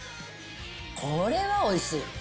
これはおいしい。